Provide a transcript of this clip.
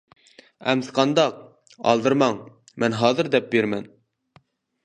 ئەمسە قانداق؟ ؟؟ ئالدىرىماڭ، مەن ھازىر دەپ بېرىمەن!